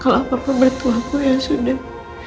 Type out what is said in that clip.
kalau apa apa bertuahku yang sudah